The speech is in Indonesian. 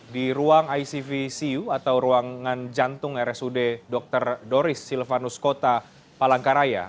di ruang icvcu atau ruangan jantung rsud dr doris silvanus kota palangkaraya